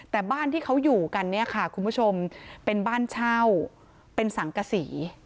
แต่บ้านที่เขาอยู่กันเนี่ยค่ะคุณผู้ชมเป็นบ้านเช่าเป็นสังกษี